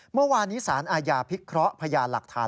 เมื่อวานนี้สารอาญาพิเคราะห์พยานหลักฐาน